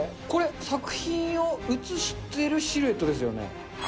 これ、作品を映してるシルエットですよね？